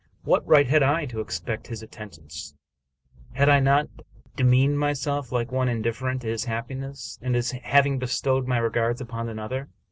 What right had I to expect his attend ance? Had I not demeaned myself like one indifferent to his happiness, and as having bestowed my regards upon another